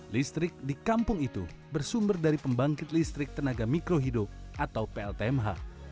listrik di kampung itu bersumber dari pembangkit listrik tenaga mikrohidro atau pltmh